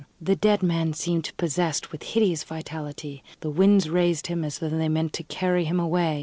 The dead man seemed possessed with hideous vitality. The winds raised him as though they meant to carry him away.